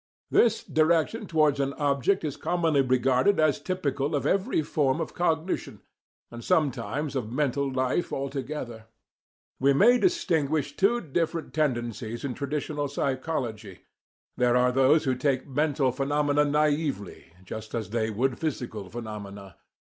This direction towards an object is commonly regarded as typical of every form of cognition, and sometimes of mental life altogether. We may distinguish two different tendencies in traditional psychology. There are those who take mental phenomena naively, just as they would physical phenomena.